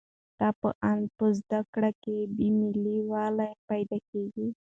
ستا په اند په زده کړه کې بې میلي ولې پیدا کېږي؟